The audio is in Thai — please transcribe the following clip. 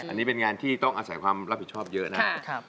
อันนี้เป็นงานที่ต้องอาศัยความรับผิดชอบเยอะนะครับ